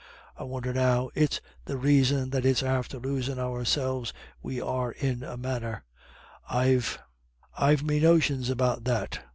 I won'er now is the raison that it's after losin' ourselves we are in a manner I've I've me notions about that.